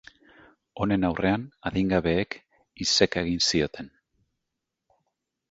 Honen aurrean, adingabeek iseka egin zioten.